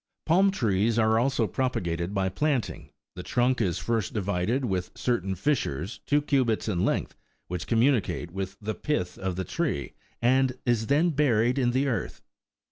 Palm trees are also propagated by planting ; 24 the trunk is first divided with certain fissures two cubits in length which communicate with the pith of the tree, and is then buried in the earth.